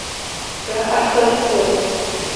په استازیتوب